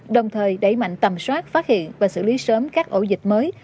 đồng thời đẩy mạnh tầm soát phát hiện và xử lý sớm các ổ dịch mới